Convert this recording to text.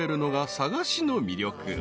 佐賀市の魅力］